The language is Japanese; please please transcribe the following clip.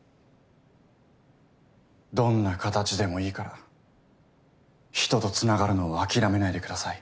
どんな形でもいいから人とつながるのを諦めないでください。